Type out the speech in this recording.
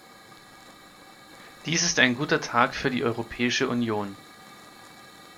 Dies ist ein guter Tag für die Europäische Union.